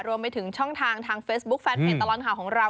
รวมไปถึงช่องทางทางเฟซบุ๊คแฟนเพจตลอดข่าวของเรา